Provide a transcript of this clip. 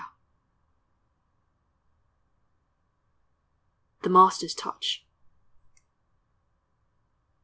337 THE MASTER'S TOUCH.